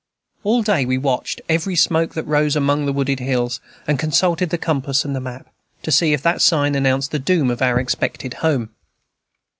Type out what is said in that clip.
All day we watched every smoke that rose among the wooded hills, and consulted the compass and the map, to see if that sign announced the doom of our expected home.